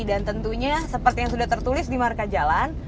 dan tentunya seperti yang sudah tertulis di marka jalan